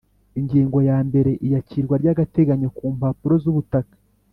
Ingingo ya mbere Iyakirwa ry agateganyo kumpapuro zubutaka